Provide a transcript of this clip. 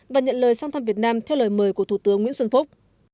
và nhận lời sang thăm việt nam theo lời mời của thủ tướng nguyễn xuân phúc